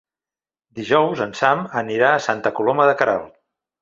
Dijous en Sam anirà a Santa Coloma de Queralt.